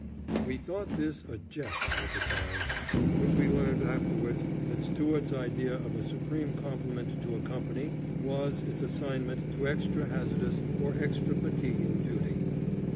We thought this a jest at the time, but we learned afterwards that Stuart's idea of a supreme compliment to a company was its assignment to extra hazardous or extra fatiguing duty.